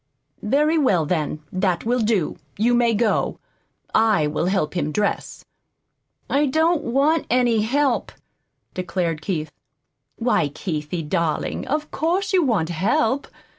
"Very well, then, that will do. You may go. I will help him dress." "I don't want any help," declared Keith. "Why, Keithie, darling, of course you want help!